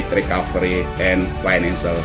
dan stabilitas sistem finansial